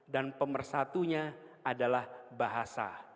dan pemersatunya adalah bahasa